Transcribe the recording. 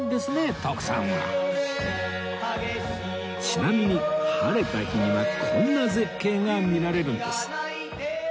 ちなみに晴れた日にはこんな絶景が見られるんです